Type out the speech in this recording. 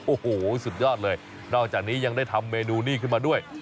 โอ้โหสุดยอดเลยนอกจากนี้ยังได้ทำเมนูนี้ขึ้นมาด้วย